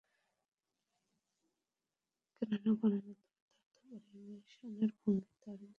কেননা গণমাধ্যমের তথ্য পরিবশনের ভঙ্গি তাঁর বিশ্লেষণী আগ্রহের একটা বিষয় ছিল বটে।